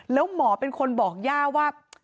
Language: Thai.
แล้วหมอเป็นคนบอกย่าว่า